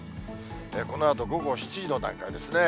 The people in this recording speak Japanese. このあと午後７時の段階ですね。